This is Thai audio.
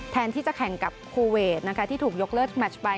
แทนที่จะแข่งกับคูเวทนะคะที่ถูกยกเลิกแมชไป